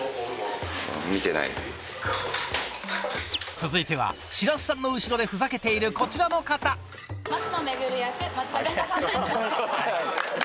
続いては白洲さんの後ろでふざけているこちらの方増野環役松田元太さんです